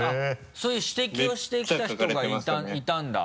そういう指摘をしてきた人がいたんだ。